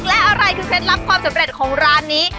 และอะไรคือเคล็ดลับความสำเร็จของร้านนี้